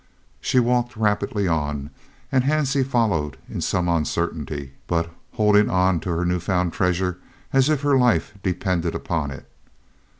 She walked rapidly on and Hansie followed in some uncertainty, but holding on to her new found treasure as if her life depended upon it.